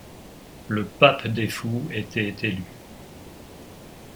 Le pape des fous était élu.